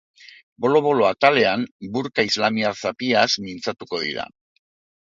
Bolo-bolo atalean burka islamiar-zapiaz mintzatuko dira.